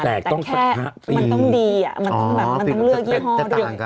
แต่แค่มันต้องดีมันต้องเลือกยี่ห้อด้วย